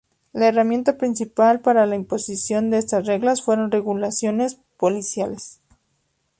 La herramienta principal para la imposición de estas reglas fueron regulaciones policiales.